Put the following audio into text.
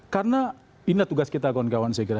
karena ini adalah tugas kita kawan kawan saya kira